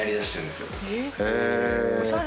へえ。